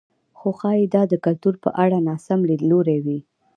خو ښايي دا د کلتور په اړه ناسم لیدلوری وي.